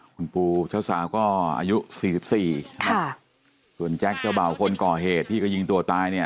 คุณปูเจ้าสาวก็อายุสี่สิบสี่ค่ะส่วนแจ๊คเจ้าเบาคนก่อเหตุที่ก็ยิงตัวตายเนี่ย